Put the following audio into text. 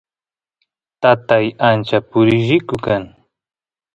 tatay ancha purilliku kan